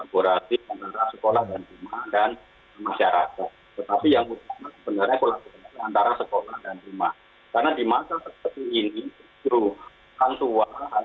pertama tama saya ingin menyampaikan kepada orang tua sekolah dan guru